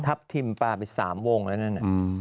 ทับทิมป่าไปสามวงแล้วเนี่ย